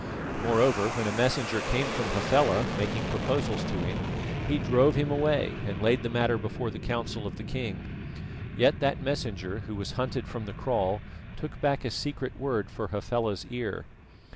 Moreover, when a messenger came from Hafela, making proposals to him, he drove him away and laid the matter before the council of the king. Yet that messenger, who was hunted from the kraal, took back a secret word for Hafela's ear.